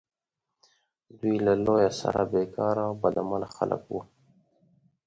دوی له لویه سره بیکاره او بد عمله خلک وه.